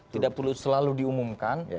tidak perlu selalu diumumkan